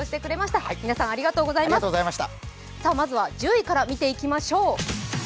まずは１０位から見ていきましょう。